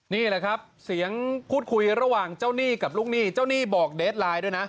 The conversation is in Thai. นี่แหละครับเสียงพูดคุยระหว่างเจ้าหนี้กับลูกหนี้เจ้าหนี้บอกเดสไลน์ด้วยนะ